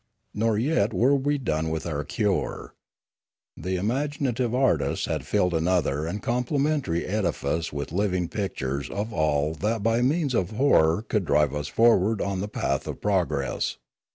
Nor yet were we done with our cure. The imagina tive artists had filled another and complementary edifice with living pictures of all that by means of horror could drive us forward on the path of progress.